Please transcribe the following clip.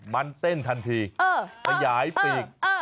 มันเต้นทันทีขยายปีก